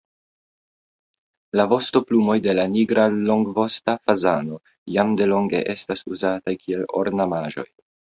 La vostoplumoj de la nigra longvosta fazano jam delonge estas uzataj kiel ornamaĵoj.